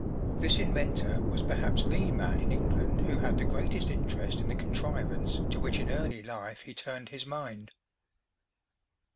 This inventor was perhaps the man in England who had the greatest interest in the contrivance to which in early life he turned his mind.